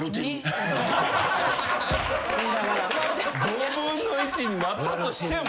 ５分の１になったとしても。